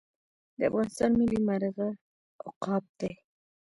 د افغانستان ملي مرغه عقاب دی